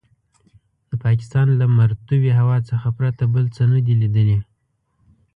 د پاکستان له مرطوبې هوا څخه پرته بل څه نه دي لیدلي.